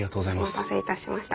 お待たせいたしました。